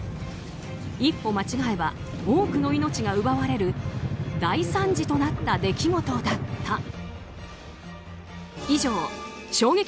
一歩間違えば多くの命が奪われる大惨事となった出来事だった。